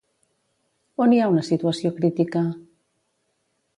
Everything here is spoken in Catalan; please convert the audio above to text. On hi ha una situació crítica?